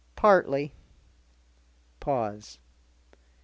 "Partly." Pause.